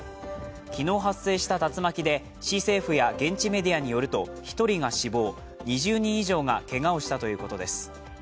昨日発生した竜巻で市政府や現地メディアによると１人が死亡、２０人以上がけがをしたということです。